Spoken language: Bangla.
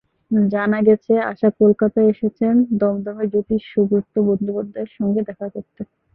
জানা গেছে, আশা কলকাতায় এসেছেন দমদমের জ্যোতিষী সুব্রত বন্দ্যোপাধ্যায়ের সঙ্গে দেখা করতে।